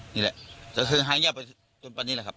นี่แหละคือหายเงียบไปตัวนี้แหละครับ